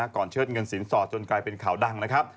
เชิดเงินสินสอดจนกลายเป็นข่าวดังนะครับ